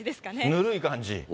ぬるい感じ。